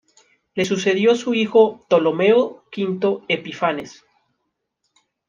Le sucedió su hijo Ptolomeo V Epífanes.